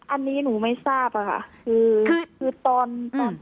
อันนี้หนูไม่ทราบอะค่ะคือคือตอนตอน